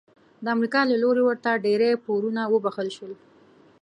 د امریکا له لوري ورته ډیری پورونه وبخښل شول.